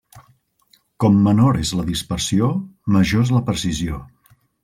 Com menor és la dispersió major és la precisió.